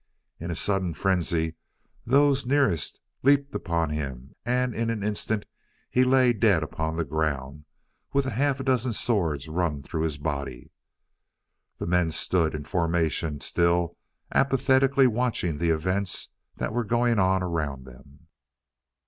In sudden frenzy, those nearest leaped upon him, and in an instant he lay dead upon the ground, with half a dozen swords run through his body. Then the men stood, in formation still, apathetically watching the events that were going on around them.